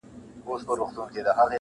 • دربار به نه وای په حجرو کي -